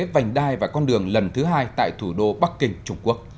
vành đai và con đường lần thứ hai tại thủ đô bắc kinh trung quốc